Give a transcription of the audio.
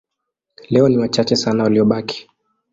Leo ni wachache sana waliobaki.